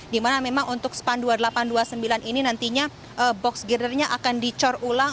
dimana memang untuk span dua ribu delapan ratus dua puluh sembilan ini nantinya box girdernya akan dicor ulang